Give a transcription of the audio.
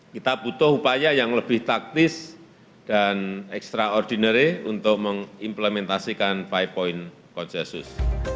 kita butuh upaya yang lebih taktis dan extraordinary untuk mengimplementasikan lima point konsensus